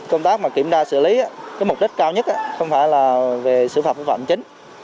công tác mà kiểm tra xử lý mục đích cao nhất không phải là về xử phạm phòng chống dịch chính